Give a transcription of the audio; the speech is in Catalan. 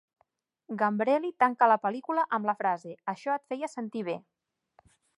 Gambrelli tanca la pel·lícula amb la frase: "Això et feia sentir bé!"